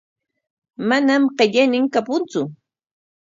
Manam qillaynin kapuntsu.